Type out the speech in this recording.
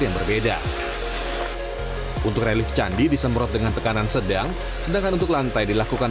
ini sudah tugas kami sehingga kami selalu berupaya tingkat kerusakan itu kita minimalisir